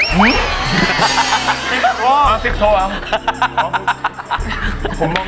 เฮ้ยฟิกโท